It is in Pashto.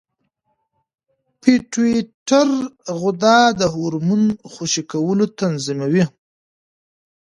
پېټویټري غده د هورمون خوشې کول تنظیموي.